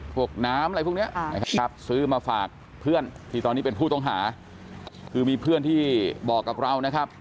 พวกน้ำอะไรพวกนี้นะครับซื้อมาฝากเพื่อนที่ตอนนี้เป็นผู้ต้องหาคือมีเพื่อนที่บอกกับเรานะครับ